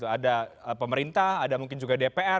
ada pemerintah ada mungkin juga dpr